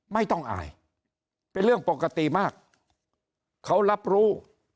ไม่ต้องอายเป็นเรื่องปกติมากเขารับรู้